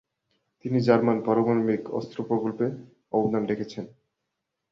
তিনি জার্মান পারমাণবিক অস্ত্র প্রকল্পে অবদান রেখেছেন।